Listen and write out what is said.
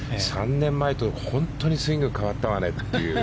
３年前と本当にスイング変わったわねという。